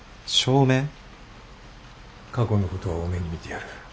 過去のことは大目に見てやる。